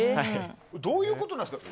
どういうことなんですか？